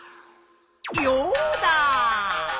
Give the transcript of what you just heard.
ヨウダ！